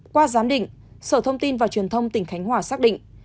qua giám định sở thông tin và truyền thông tỉnh khánh hòa xác định